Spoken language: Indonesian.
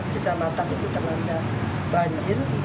empat belas kecamatan itu terlanda banjir